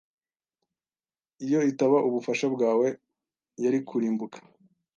Iyo itaba ubufasha bwawe, yari kurimbuka.